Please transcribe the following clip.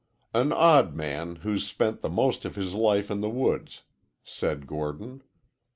"An odd man who's spent the most of his life in the woods," said Gordon.